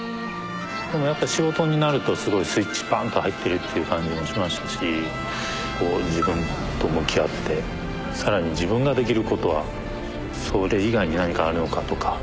でもやっぱ仕事になるとすごいスイッチぱん！と入ってるっていう感じもしましたしこう自分と向き合って更に自分ができることはそれ以外に何かあるのかとか。